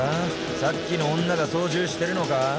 さっきの女が操縦してるのか？